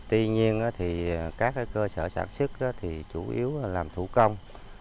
tuy nhiên các cơ sở sản xuất chủ yếu là làm thủ công